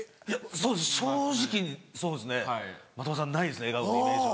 正直そうですね的場さんないですね笑顔のイメージは。